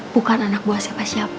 bukan anak buah siapa siapa